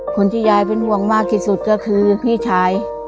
คนที่ยายเป็นห่วงมากที่สุดก็คือพี่ชาย